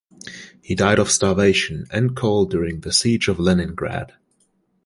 He died of starvation and cold during the Siege of Leningrad.